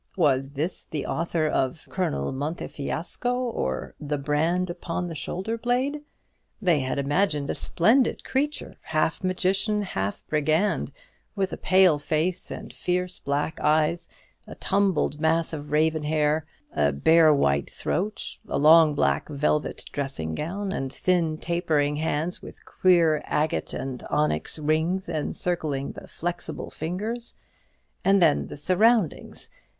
Was this the author of "Colonel Montefiasco, or the Brand upon the Shoulder blade?" They had imagined a splendid creature, half magician, half brigand, with a pale face and fierce black eyes, a tumbled mass of raven hair, a bare white throat, a long black velvet dressing gown, and thin tapering hands, with queer agate and onyx rings encircling the flexible fingers. And then the surroundings.